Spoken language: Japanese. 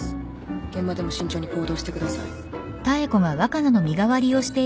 現場でも慎重に行動してください。